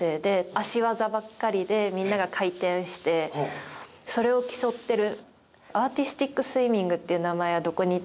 脚技ばっかりでみんなが回転してそれを競っている。